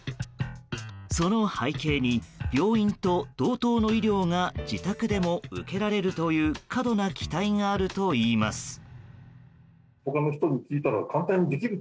その背景に、病院と同等の医療が自宅でも受けられるという過度な期待があるといいます。